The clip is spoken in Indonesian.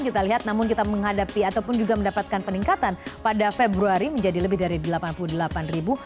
kita lihat namun kita menghadapi ataupun juga mendapatkan peningkatan pada februari menjadi lebih dari delapan puluh delapan ribu